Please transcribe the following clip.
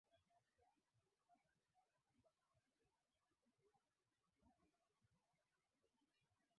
Siwe mpweke mi bado niko.